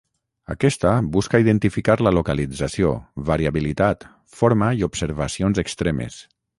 Aquesta busca identificar la localització, variabilitat, forma i observacions extremes.